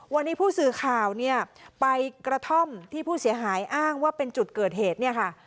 วันนี้ผู้สื่อข่าวเนี่ยไปกระท่อมที่ผู้เสียหายอ้างว่าเป็นจุดเกิดเหตุเนี่ยค่ะ